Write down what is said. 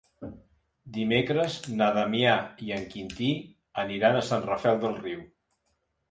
Dimecres na Damià i en Quintí aniran a Sant Rafel del Riu.